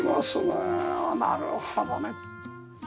ああなるほどね。